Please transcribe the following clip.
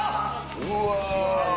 うわ！